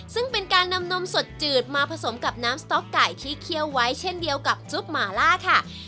ซึ่งเป็นการนำนมสดจืดมาผสมกับน้ำสต๊อกไก่ที่เคี่ยวไว้เช่นเดียวกับจุ๊บหมาล่าค่ะ